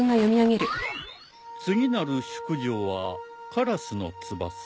次なる淑女はカラスの翼。